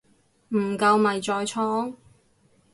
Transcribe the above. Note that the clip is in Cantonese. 唔夠咪再創